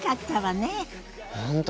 本当